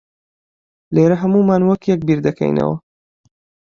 لێرە ھەموومان وەک یەک بیردەکەینەوە.